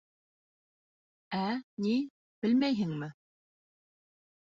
— Ә, ни, белмәйһеңме?